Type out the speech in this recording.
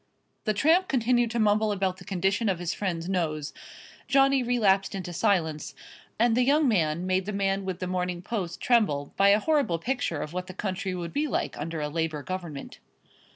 The tramp continued to mumble about the condition of his friend's nose, Johnny relapsed into silence, and the young man made the man with The Morning Post tremble by a horrible picture of what the country would be like under a Labour Government.